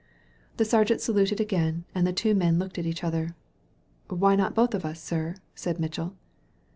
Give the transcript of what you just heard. The sergeant saluted again, and the two men^ looked at each other. "Why not both of us, sir?" said Mitchell.